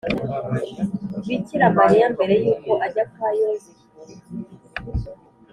bikira mariya mbere y’uko ajya kwa yozefu.